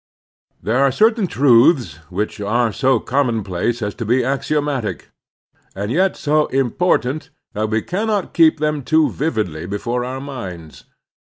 There are certain truths which are so conunon place as to be axiomatic; and yet so important that we cannot keep them too vividly before our minds.